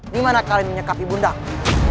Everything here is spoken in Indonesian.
dimana kalian menyekapi bundaku